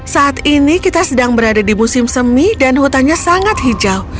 saat ini kita sedang berada di musim semi dan hutannya sangat hijau